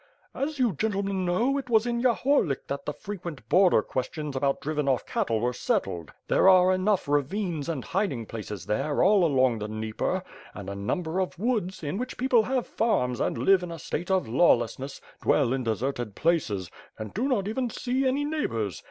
As you gentlemen, know, it was in Yahorlik that the frequent border questions about driven off cattle were settled. There are enough ra vines and hiding places there, all along the Dnieper, and a number of woods, in which people have farma and live in a state of lawlessness, dwell in deserted places; and do not even see any neighbors.